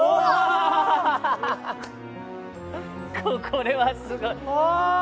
これはすごい。